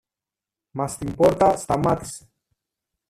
Μα στην πόρτα σταμάτησε.